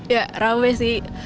ya rame sih